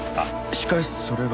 しかしそれが。